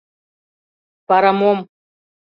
— Вара мом?